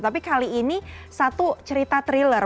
tapi kali ini satu cerita thriller